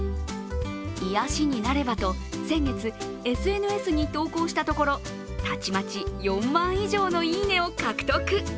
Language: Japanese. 癒やしになればと先月、ＳＮＳに投稿したところ、たちまち４万以上のいいねを獲得。